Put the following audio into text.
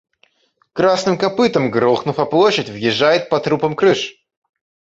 Красным копытом грохнув о площадь, въезжает по трупам крыш!